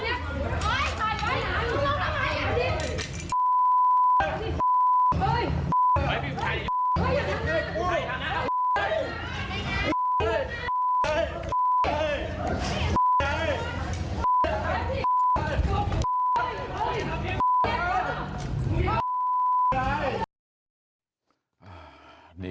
ไปไหน